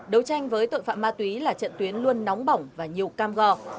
đấu tranh với tội phạm ma túy là trận tuyến luôn nóng bỏng và nhiều cam go